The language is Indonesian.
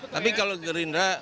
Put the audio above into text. tapi kalau gerindra